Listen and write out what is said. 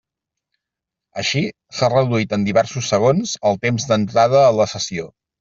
Així, s'ha reduït en diversos segons el temps d'entrada a la sessió.